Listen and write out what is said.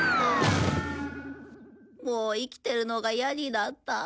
もう生きているのが嫌になった。